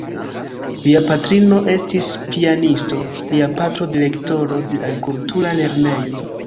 Lia patrino estis pianisto, lia patro direktoro de agrikultura lernejo.